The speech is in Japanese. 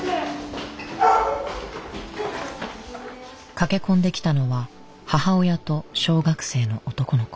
駆け込んできたのは母親と小学生の男の子。